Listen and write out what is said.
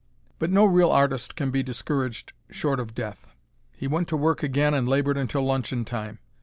But no real artist can be discouraged short of death. He went to work again and labored until luncheon time.